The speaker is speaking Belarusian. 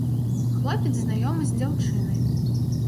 Хлопец знаёмы з дзяўчынай.